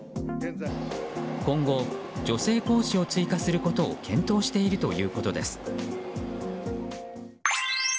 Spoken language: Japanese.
今後、女性講師を追加することを検討しているということです。